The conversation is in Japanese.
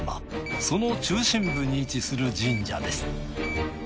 その中心部に位置する神社です。